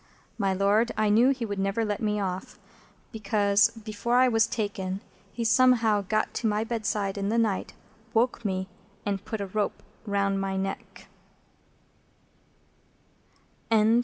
My Lord, I knew he would never let me off, because, before I was taken, he somehow got to my bedside in the night, woke me, and put a rope round my neck."